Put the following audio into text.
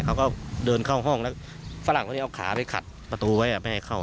เขาก็เดินเข้าห้องแล้วฝรั่งคนนี้เอาขาไปขัดประตูไว้ไม่ให้เข้า